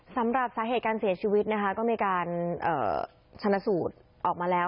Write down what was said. สำหรับสาเหตุการเสียชีวิตนะคะก็มีการชนะสูตรออกมาแล้ว